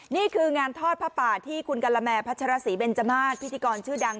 นี่คืองานทอดผ้าป่าที่คุณกะละแมพัชรศรีเบนจมาสพิธีกรชื่อดัง